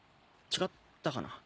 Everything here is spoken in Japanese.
違ったかな？